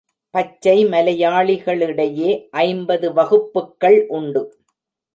பச்சைமலையாளிடையே ஐம்பது வகுப்புக்கள் உண்டு.